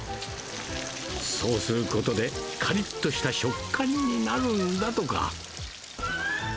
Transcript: そうすることでかりっとした食感になるんだとか。